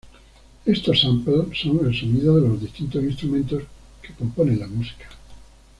Estos samples son el sonido de los distintos instrumentos que componen la música.